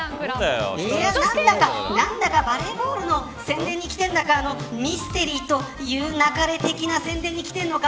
何だかバレーボールの宣伝に来てるんだがミステリーという勿れ的な宣伝に来ているのか。